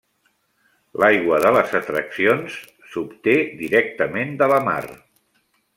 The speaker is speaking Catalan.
L'aigua de les atraccions s'obté directament de la mar.